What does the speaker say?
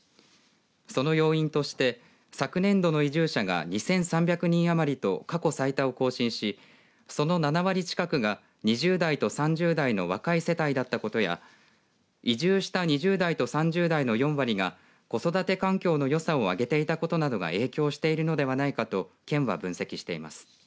その要因として昨年度の移住者が２３００人余りと過去最多を更新しその７割近くは２０代と３０代の若い世代だったことや移住した２０代と３０代の４割が子育て環境のよさを挙げていたことなどが影響しているのではないかと県は分析しています。